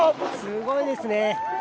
すごいですね！